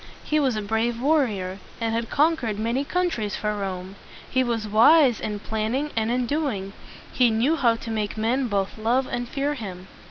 He was a brave warrior, and had con quered many countries for Rome. He was wise in planning and in doing. He knew how to make men both love and fear him.